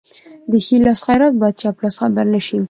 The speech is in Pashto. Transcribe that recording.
د ښي لاس خیرات باید چپ لاس خبر نشي.